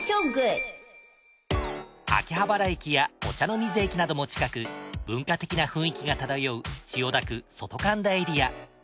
秋葉原駅や御茶ノ水駅なども近く文化的な雰囲気が漂う千代田区外神田エリア。